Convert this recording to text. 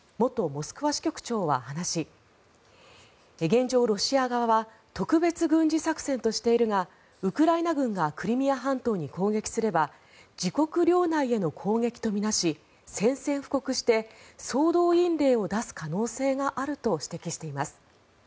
モスクワ支局長は話し現状、ロシア側は特別軍事作戦としているがウクライナ軍がクリミア半島に攻撃すれば自国領内への攻撃と見なし宣戦布告して総動員令を出す可能性があると指摘しています。